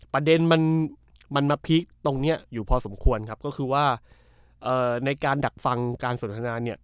ประเด็นมันมาพีคตรงนี้อยู่พอสมควรครับก็คือว่าในการดักฟังการสนทนาเนี่ย